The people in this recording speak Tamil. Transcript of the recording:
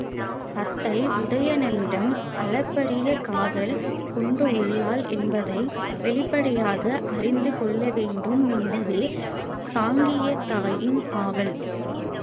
தத்தை உதயணனிடம் அளப்பரிய காதல் கொண்டுள்ளாள் என்பதை வெளிப்படையாக அறிந்து கொள்ளவேண்டு மென்பதே சாங்கியத் தாயின் ஆவல்.